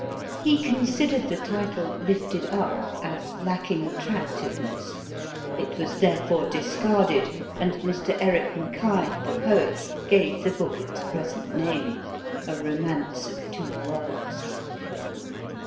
He considered the title Lifted Up as lacking attractiveness ; it was therefore discarded, and Mr. Eric Mackay, the poet, gave the book its present name, A Romance of Two Worlds.